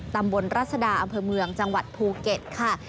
รัศดาอำเภอเมืองจังหวัดภูเก็ตค่ะ